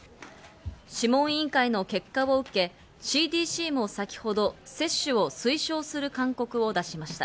諮問委員会の結果を受け、ＣＤＣも先ほど接種を推奨する勧告を出しました。